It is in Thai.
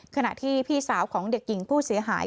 ขณะที่พี่สาวของเด็กหญิงผู้เสียหาย